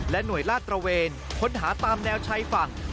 หน่วยลาดตระเวนค้นหาตามแนวชายฝั่ง